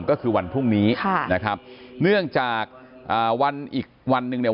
ก็คือวันพรุ่งนี้ค่ะนะครับเนื่องจากอ่าวันอีกวันหนึ่งเนี่ย